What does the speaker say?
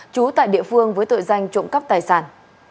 trú tại địa phương với tội danh trộm cắp tài sản